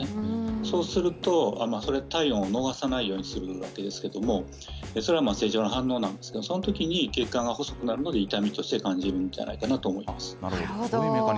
そうすると体温を逃さないようにするわけですがそれは正常な反応ですけどその時に血管が細くなるので痛みとして感じるんじゃないかなと思います。